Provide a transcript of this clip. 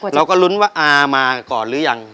เราก็ลุ้นว่าอามาก่อนหรือยัง